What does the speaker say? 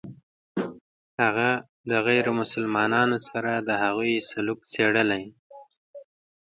هغه د غیر مسلمانانو سره د هغوی سلوک څېړلی.